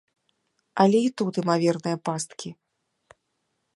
Але і тут імаверныя пасткі.